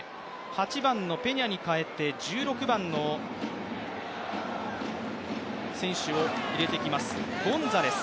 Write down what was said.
８番のペニャに代えて１６番の選手を入れていきますゴンザレス。